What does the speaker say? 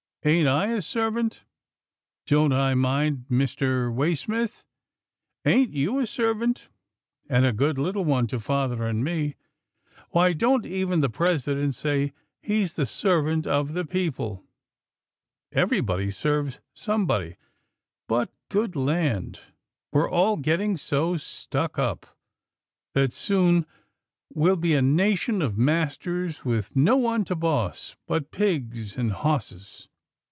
Ain't I a servant — don't I mind Mr. Waysmith ? Ain't you a serv ant, and a good little one to father and me? Why, don't even the President say he's the servant of the people. Everybody serves somebody, but, good land! we're all getting so stuck up, that soon we'll 204 'TILDA JANE'S ORPHANS be a nation of masters, with no one to boss but pigs and bosses."